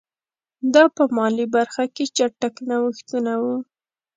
دا په مالي برخه کې چټک نوښتونه وو